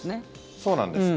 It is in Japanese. そうなんです。